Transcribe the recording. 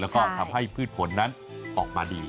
แล้วก็ทำให้พืชผลนั้นออกมาดี